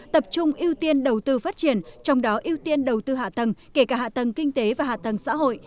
tập trung ưu tiên đầu tư phát triển trong đó ưu tiên đầu tư hạ tầng kể cả hạ tầng kinh tế và hạ tầng xã hội